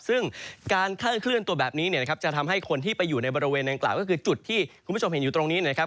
ซึ่งการเคลื่อนตัวแบบนี้เนี่ยนะครับจะทำให้คนที่ไปอยู่ในบริเวณดังกล่าวก็คือจุดที่คุณผู้ชมเห็นอยู่ตรงนี้นะครับ